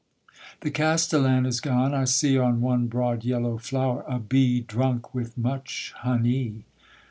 The castellan is gone: I see On one broad yellow flower a bee Drunk with much honey.